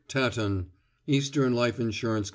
Tatton, Eastern Life Insurance Co.